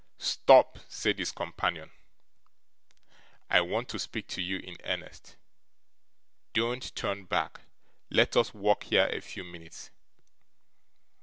'Stop,' said his companion, 'I want to speak to you in earnest. Don't turn back. Let us walk here, a few minutes.